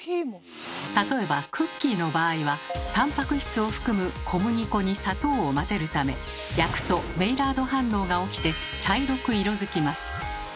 例えばクッキーの場合はタンパク質を含む小麦粉に砂糖を混ぜるため焼くとメイラード反応が起きて茶色く色づきます。